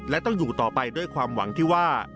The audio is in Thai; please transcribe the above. และต้องอยู่ต่อไปด้วยความหวังที่ว่า